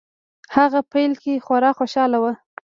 هغه په پيل کې خورا خوشحاله و.